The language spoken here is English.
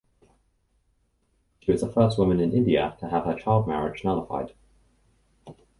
She was the first woman in India to have her child marriage nullified.